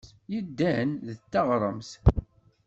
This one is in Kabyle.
Yeddan d teɣremt.